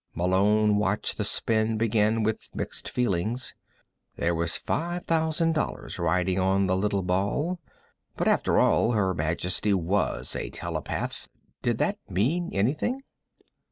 Malone watched the spin begin with mixed feelings. There was five thousand dollars riding on the little ball. But, after all, Her Majesty was a telepath. Did that mean anything?